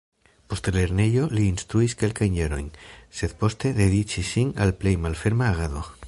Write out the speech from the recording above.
Post lernejo, li instruis kelkajn jarojn, sed poste dediĉis sin al plej malferma agado.